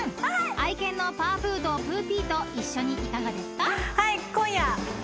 愛犬のぱーぷーとぷーぴーと一緒にいかがですか？］